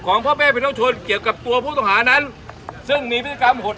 พ่อแม่พี่น้องชนเกี่ยวกับตัวผู้ต้องหานั้นซึ่งมีพฤติกรรมหด